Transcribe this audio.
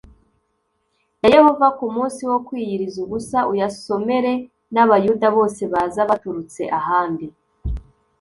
Ya yehova ku munsi wo kwiyiriza ubusa uyasomere n abayuda bose baza baturutse ahandi